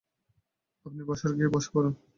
আপনি বসার ঘরে গিয়ে বসুন।